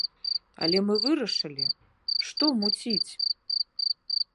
Але мы вырашылі, што муціць?